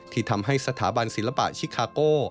ที่ทำให้สถาบันศิลปะชิคาโก้